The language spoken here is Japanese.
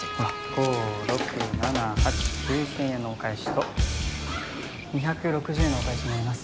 ５６７８９０００円のお返しと２６０円のお返しになります。